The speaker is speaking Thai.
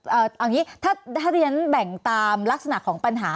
เอาอย่างนี้ถ้าเรียนแบ่งตามลักษณะของปัญหา